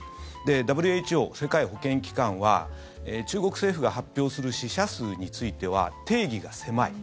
ＷＨＯ・世界保健機関は中国政府が発表する死者数については定義が狭い。